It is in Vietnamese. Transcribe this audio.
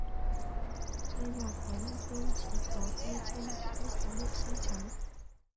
Hay là có những tên chỉ có tay chân không có bộ xương trắng